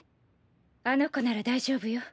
あの子なら大丈夫よ。